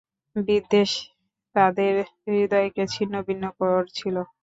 বিদ্বেষ তাদের হৃদয়কে ছিন্নভিন্ন করছিল।